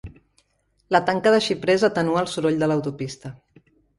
La tanca de xiprers atenua el soroll de l'autopista.